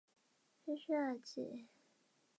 西雅图市中心公交隧道。